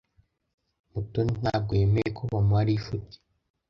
Mutoni ntabwo yemeye ko bamuha rifuti.